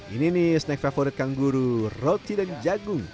ini nih snack favorit kangguru roti dan jagung